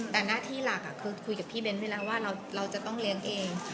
แต่หน้าที่หลักคือคุยกับพี่เบ้นไว้แล้วว่าเราจะต้องเลี้ยงเอง